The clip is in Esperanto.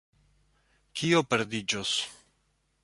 Kio perdiĝos?